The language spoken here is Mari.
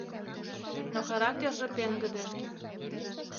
Но характерже пеҥгыде.